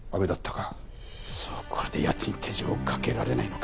クソッこれで奴に手錠をかけられないのか。